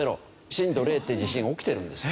震度０っていう地震が起きてるんですよ。